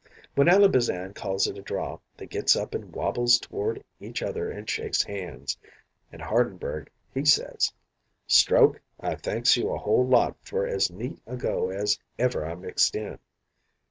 "When Ally Bazan calls it a draw, they gits up and wobbles toward each other an' shakes hands, and Hardenberg he says: "'Stroke, I thanks you a whole lot for as neat a go as ever I mixed in.'